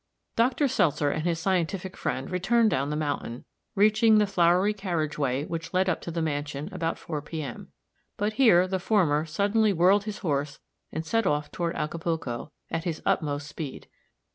Dr. Seltzer and his scientific friend returned down the mountain, reaching the flowery carriage way which led up to the mansion about four P. M.; but here the former suddenly whirled his horse and set off toward Acapulco, at his utmost speed.